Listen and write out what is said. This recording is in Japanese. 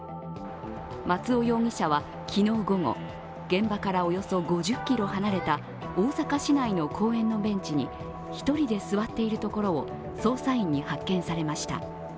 松尾容疑者は昨日午後、現場からおよそ５０ｋｍ離れた大阪市内の公園のベンチに１人で座っているところを捜査員に発見されました。